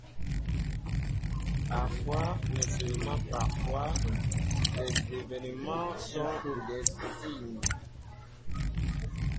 Parfois, mais seulement parfois, les évènements sont des signes.